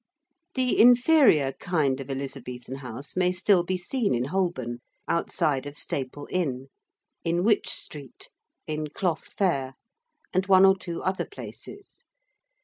The inferior kind of Elizabethan house may still be seen in Holborn outside of Staple Inn: in Wych Street: in Cloth Fair: and one or two other places.